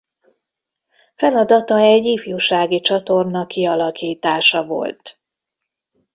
Feladata egy ifjúsági csatorna kialakítása volt.